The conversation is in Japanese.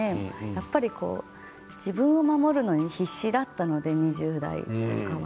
やっぱり自分を守るのに必死だったので２０代とかは。